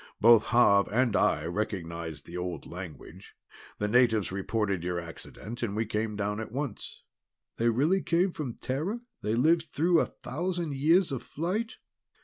Both Xav and I recognized the old language; the natives reported your accident, and we came down at once." "They really came from Terra? They lived through a thousand years of flight?"